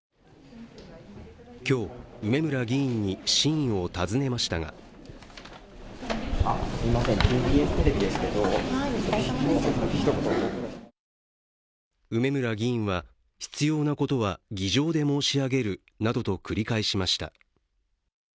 今日、梅村議員に真意を尋ねましたがすみません、ＴＢＳテレビですけどもひと言梅村議員は必要なことは議場で申し上げるなどと繰り返しました。